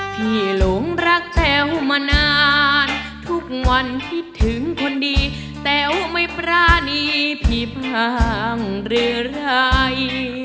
พี่หลงรักแต่วมานานทุกวันพี่ถึงคนดีแต่วไม่ปราณีพี่พังเหลือไร